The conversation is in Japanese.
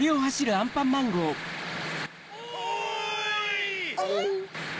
・おい！